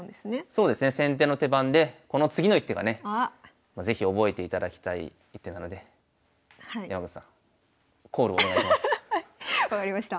そうですね先手の手番でこの次の一手がね是非覚えていただきたい一手なので分かりました。